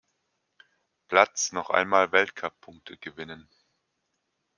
Platz noch einmal Weltcup-Punkte gewinnen.